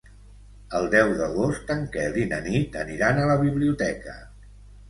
El deu d'agost en Quel i na Nit aniran a la biblioteca.